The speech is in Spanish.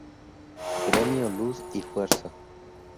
Gremio Luz y Fuerza.